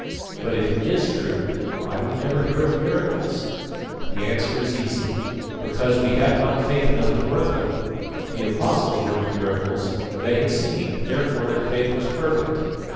But if it is true, why do we never hear of miracles? The answer is easy: Because we have not faith enough to work them. The Apostles worked miracles; for they had seen, therefore their faith was perfect.